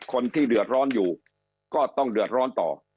คนที่เดือดร้อนอยู่ก็ต้องเดือดร้อนต่อ